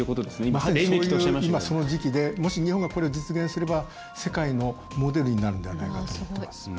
まさに今、その時期でもし日本が、これを実現すれば世界のモデルになるんではないかと思っています。